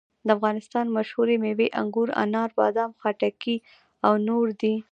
د افغانستان مشهورې مېوې انګور، انار، بادام، خټکي او نورې دي.